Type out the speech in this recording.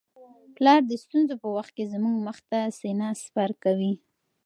پلار د ستونزو په وخت کي زموږ مخ ته سینه سپر کوي.